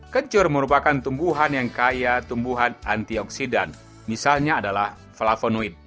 kencur merupakan tumbuhan yang kaya tumbuhan antioksidan misalnya adalah flavonoid